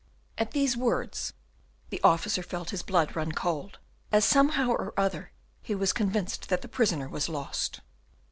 At these words the officer felt his blood run cold, as somehow or other he was convinced that the prisoner was lost.